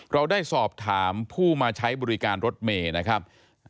เราได้สอบถามผู้มาใช้บริการรถเมย์นะครับ